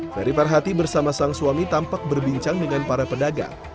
ferry farhati bersama sang suami tampak berbincang dengan para pedagang